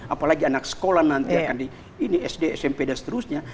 apalagi anak sekolah nanti akan di ini sd smp dan seterusnya